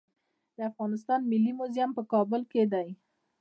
د افغانستان ملي موزیم په کابل کې دی